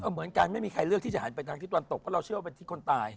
เหมือนกันไม่มีใครเลือกที่จะหันไปทางทิศตะวันตกเพราะเราเชื่อว่าเป็นที่คนตาย